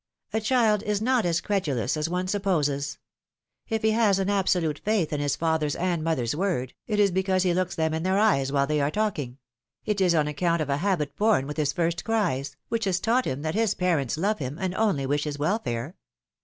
A child is not as credulous as one supposes : if he has an absolute faith in his father's and mother's word, it is because he looks them in their eyes while they are talking ; it is on account of a habit born with his first cries, which has taught him that his parents love him and only wish his welfare.